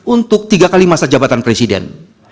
untuk tiga kali masa jabatan presiden